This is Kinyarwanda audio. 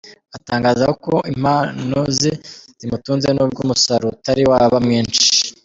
Atangaza ko impano ze zimutunze n’ubwo umusaruro utari waba mwinshi.